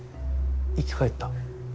生き返った？